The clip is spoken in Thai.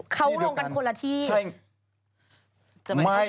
เขาลงกันคนละที่ใช่